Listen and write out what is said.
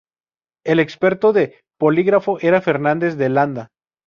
El experto del polígrafo era Fernández de Landa.